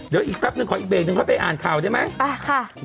เดี๋ยวอีกสัปดีขออีกเปรกหนึ่งเข้าไปอ่านข่าวได้ไหม